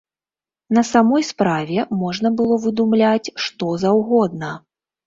На самой справе можна было выдумляць, што заўгодна.